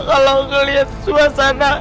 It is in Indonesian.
kalau ngeliat suasana